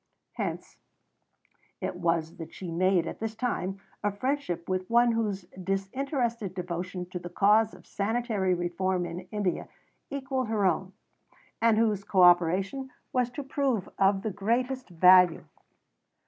Hence it was that she made at this time a friendship with one whose disinterested devotion to the cause of sanitary reform in India equalled her own, and whose co operation was to prove of the greatest value.